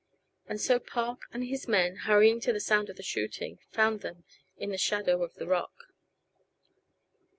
And so Park and his men, hurrying to the sound of the shooting, found them in the shadow of the rock.